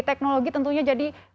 teknologi tentunya jadi soal